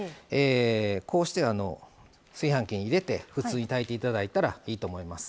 こうして炊飯器に入れて普通に炊いていただいたらいいと思います。